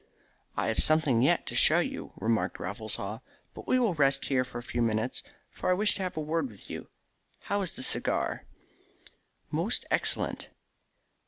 "I have something yet to show you," remarked Raffles Haw; "but we will rest here for a few minutes, for I wished to have a word with you. How is the cigar?" "Most excellent."